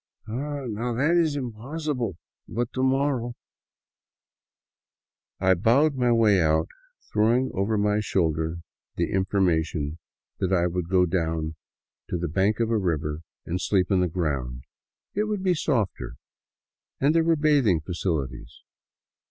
" Ah, now that is impossible. But to morrow —" I bowed my way out, throwing over my shoulder the information that I would go down to the bank of the river and sleep on the ground. It would be softer, and there were bathing facilities.